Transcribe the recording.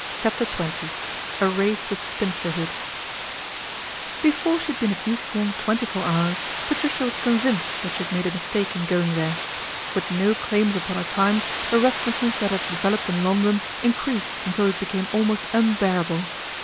CHAPTER XX A RACE WITH SPINSTERHOOD BEFORE she had been at Eastbourne twenty four hours Patricia was convinced that she had made a mistake in going there. With no claims upon her time, the restlessness that had developed in London increased until it became almost unbearable.